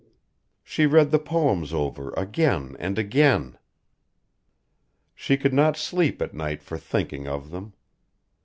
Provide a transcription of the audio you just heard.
She read the poems over again and again. She could not sleep at night for thinking of them.